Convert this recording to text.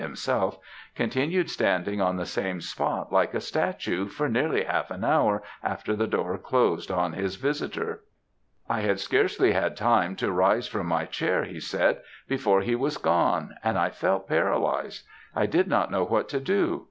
himself) continued standing on the same spot, like a statue, for nearly half an hour after the door closed on his visitor. "'I had scarcely had time to rise from my chair,' he said, 'before he was gone, and I felt paralysed. I did not know what to do.